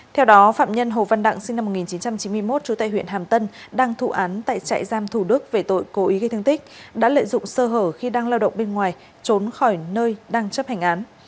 theo đó phạm nhân hồ văn đặng sinh năm một nghìn chín trăm chín mươi một trú tại huyện hàm tân đang thụ án tại trại giam thủ đức về tội cố ý gây thương tích đã lợi dụng sơ hở khi đang lao động bên ngoài trốn khỏi nơi đang chấp hành án